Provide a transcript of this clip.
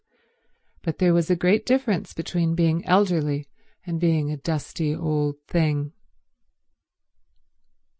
But there was a great difference between being elderly and being a dusty old thing.